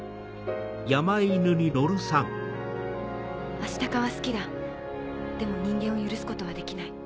アシタカは好きだでも人間を許すことはできない。